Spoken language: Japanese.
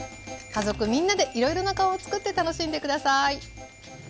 家族みんなでいろいろな顔をつくって楽しんで下さい。